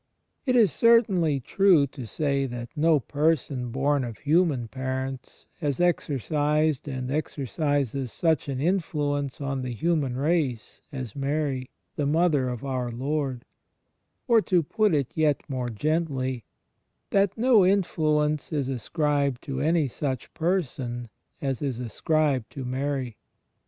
It is certainly true to say that no person bom of human parents has exercised and exercises such an influence on the human race as Mary, the Mother of our Lord — or (to put it yet more gently) that no influence is ascribed to any such person as is ascribed to Mary.